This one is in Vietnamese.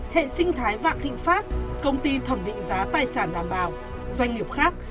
hệ sinh thái vạn thịnh pháp công ty thẩm định giá tài sản đảm bảo doanh nghiệp khác